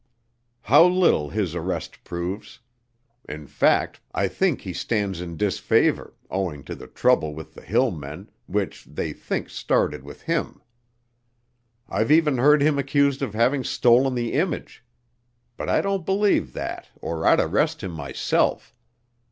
How little his arrest proves. In fact, I think he stands in disfavor, owing to the trouble with the hill men, which they think started with him. I've even heard him accused of having stolen the image. But I don't believe that or I'd arrest him myself.